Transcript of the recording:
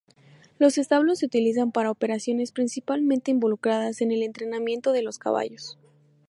Los establos se utilizan para operaciones principalmente involucradas en el entrenamiento de los caballos.